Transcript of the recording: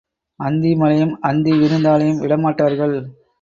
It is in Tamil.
அந்தி மழையும் அந்தி விருந்தாளியும் விடமாட்டார்கள்.